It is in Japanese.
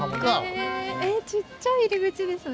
へえちっちゃい入り口ですね。